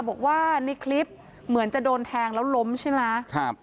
บอกว่าในคลิปเหมือนจะโดนแทงแล้วล้มใช่ไหมครับ